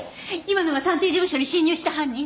今のが探偵事務所に侵入した犯人？